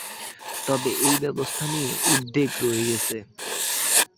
তবে এই ব্যবস্থা নিয়ে উদ্বেগ রয়ে গেছে।